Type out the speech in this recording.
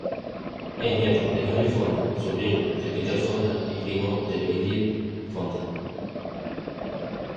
Es nieto de Henry Fonda, sobrino de Peter Fonda y primo de Bridget Fonda.